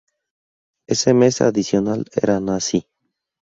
Ese mes adicional era Nasi.